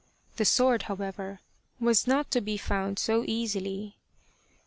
The sword, however, was not to be found so easily.